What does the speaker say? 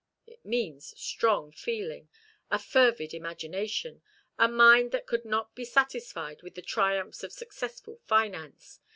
It means strong feeling, a fervid imagination, a mind that could not be satisfied with the triumphs of successful finance.